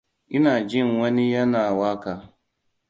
Ina jin wani yana waka.